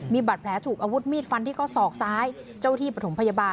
มีบัตรแผลถูกอาวุธมีดฟันที่ข้อศอกซ้ายเจ้าที่ปฐมพยาบาล